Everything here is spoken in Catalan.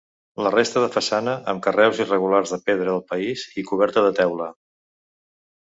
La resta de façana amb carreus irregulars de pedra del país i coberta de teula.